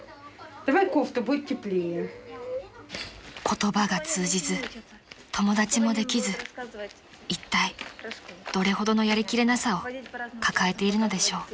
［言葉が通じず友達もできずいったいどれほどのやりきれなさを抱えているのでしょう］